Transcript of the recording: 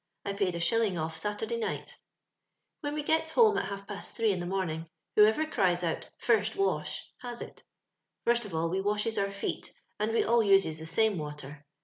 I paid a shilling otT Saturday night " When we gets home at half past three in the morning, whoever cries out ' first wash ' has it First of all we washes our feet, and we all uses the same water.